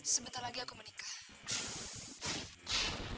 sebentar lagi aku menikah